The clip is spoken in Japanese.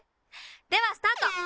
ではスタート！